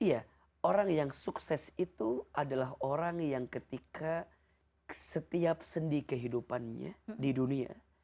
iya orang yang sukses itu adalah orang yang ketika setiap sendi kehidupannya di dunia